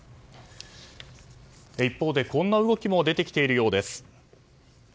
一方で、こんな動きも出てきているようです。